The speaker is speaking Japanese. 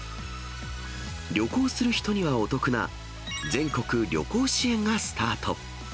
旅行する人にはお得な、全国旅行支援がスタート。